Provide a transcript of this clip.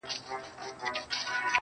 عاشقي به نه کوي چې یې دماغ وي